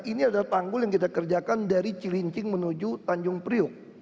ini adalah tanggul yang kita kerjakan dari cilincing menuju tanjung priuk